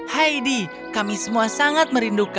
heidi kami semua sangat merindukan